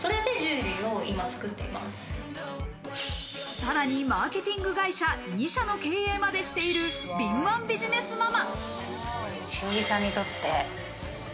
さらに、マーケティング会社を２社も経営までしている敏腕ビジネスママ。